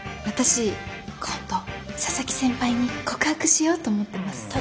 私今度佐々木先輩に告白しようと思ってます。